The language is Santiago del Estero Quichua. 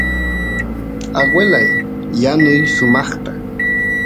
aguelay yanuy sumaqta